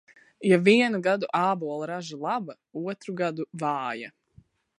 Ja vienu gadu ābolu raža laba, otru gadu vāja.